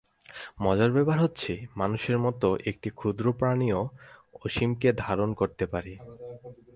মজার ব্যাপার হচ্ছে, মানুষের মতো একটি ক্ষুদ্র প্রাণীও অসীমকে ধারণ করতে পারে।